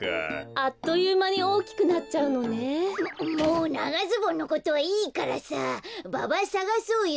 あっというまにおおきくなっちゃうのね。ももうながズボンのことはいいからさババさがそうよ！